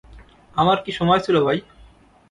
আমার কি সময় ছিল ভাই?